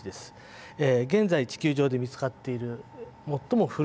現在地球上で見つかっている最も古い岩石の一つです。